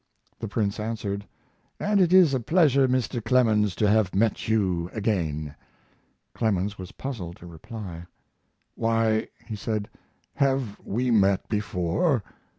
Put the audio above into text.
The Prince answered: "And it is a pleasure, Mr. Clemens, to have met you again." Clemens was puzzled to reply. "Why," he said, "have we met before?"